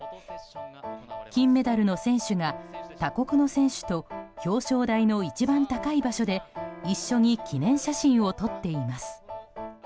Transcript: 金メダルの選手が他国の選手と表彰台の一番高い場所で一緒に記念写真を撮っています。